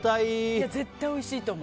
絶対、おいしいと思う。